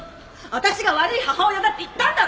私が悪い母親だって言ったんだろ！